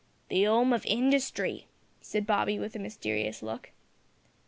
"The 'Ome of Hindustry," said Bobby with a mysterious look.